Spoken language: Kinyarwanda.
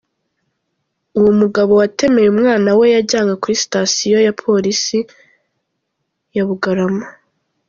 Uwo mugabo watemeye umwana we yajyanwe kuri Sitasiyo ya Polisi ya Bugarama .